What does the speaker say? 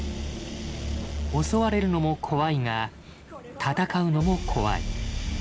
襲われるのも怖いが戦うのも怖い。